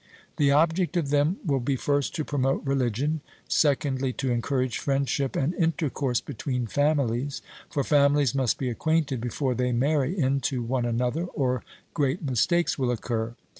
The object of them will be first to promote religion, secondly to encourage friendship and intercourse between families; for families must be acquainted before they marry into one another, or great mistakes will occur.